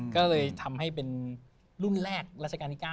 ก็เลยทำให้เป็นรุ่นแรกราชการที่๙